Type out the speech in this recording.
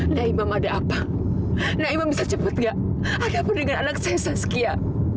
nah imang ada apa nah imang bisa cepet gak ada apa dengan anak saya saskia